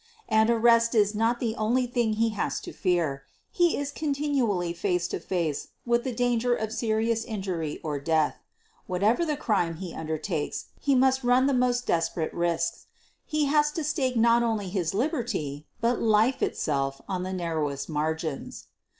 And arrest is not the only thing he has to fear — he is continually face to face with the danger of serious injury or death. Whatever the crime he undertakes, he must run the most desperate risks— ^ He has to stake not only his liberty, but life itself on the narrowest of margins.